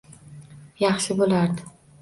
Yaxshi bo‘lardi.